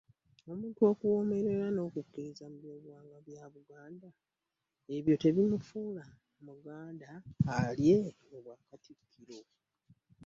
Omuntu okuwoomerwa era n'okukkirinza mu byobuwangwa bya Baganda, ebyo tebimufuula Muganda alye Obwakatikkiro.